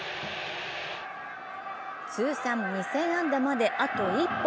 通算２０００安打まであと１本。